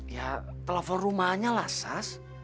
ya telepon rumahnya lah zaz